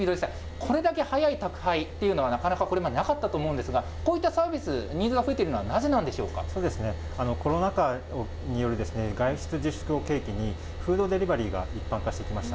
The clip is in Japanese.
これだけ速い宅配というのは、なかなかこれまでなかったと思うんですが、こういったサービス、ニーズが増えているのは、なぜなんコロナ禍による外出自粛を契機に、フードデリバリーが一般化してきました。